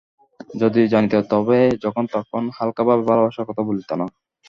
যদি জানিত, তবে যখন তখন হালকাভাবে ভালবাসার কথা বলিত না।